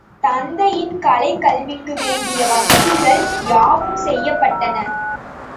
தத்தையின் கலைக் கல்விக்கு வேண்டிய வசதிகள் யாவும் செய்யப்பட்டன.